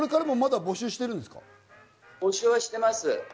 募集してます。